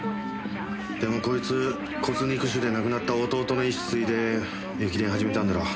でもこいつ骨肉腫で亡くなった弟の遺志継いで駅伝始めたんだろ。